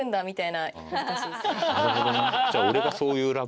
なるほどね。